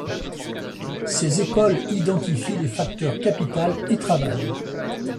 Ces écoles identifient les facteurs capital et travail.